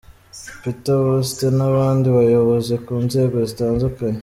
Peter Woeste, n’abandi bayobozi ku nzego zitandukanye.